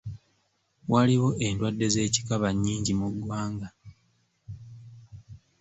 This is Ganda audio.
Waliwo endwadde z'ekikaba nnyingi mu ggwanga.